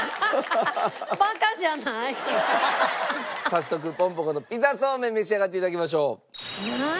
早速ぽんぽ娘のピザそうめん召し上がって頂きましょう。